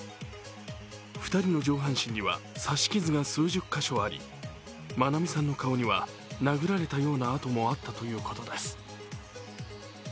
２人の上半身には刺し傷が数十カ所あり愛美さんの顔には殴られたような痕もあったということです。